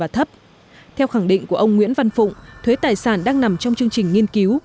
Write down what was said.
theo khẳng định của ông nguyễn văn phụng thuế tài sản đang nằm trong chương trình nghiên cứu